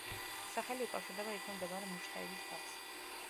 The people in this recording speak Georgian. სახელი უკავშირდება იქვე მდებარე „მუშთაიდის“ ბაღს.